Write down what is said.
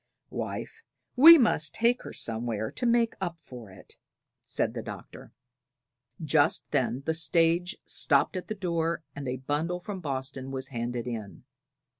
"Wife, we must take her somewhere to make up for it," said the Doctor. Just then the stage stopped at the door and a bundle from Boston was handed in.